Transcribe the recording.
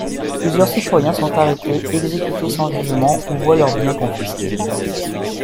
Plusieurs citoyens sont arrêtés, exécutés sans jugement ou voient leurs biens confisqués.